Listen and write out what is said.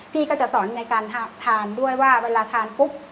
พี่ก็จะสอนในการทานด้วยว่าเวลาทานปุ๊บ